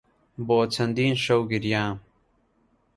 بۆ چەندین شەو گریام.